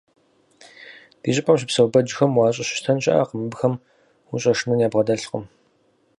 Ди щIыпIэм щыпсэу бэджхэм уащIыщыщтэн щыIэкъым, абыхэм ущIэшынэн ябгъэдэлъкъым.